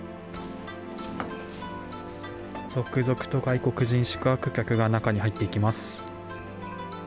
続々と外国人宿泊客が中に入っていきます。